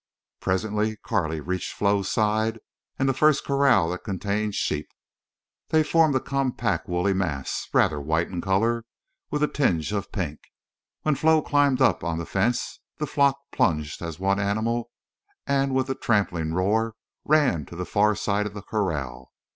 Presently Carley reached Flo's side and the first corral that contained sheep. They formed a compact woolly mass, rather white in color, with a tinge of pink. When Flo climbed up on the fence the flock plunged as one animal and with a trampling roar ran to the far side of the corral.